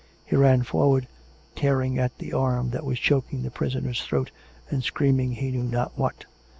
... He ran forward^ tearing at the arm that was choking the prisoner's throat, and screaming he knew not what.